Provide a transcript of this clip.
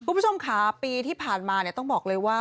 คุณผู้ชมค่ะปีที่ผ่านมาต้องบอกเลยว่า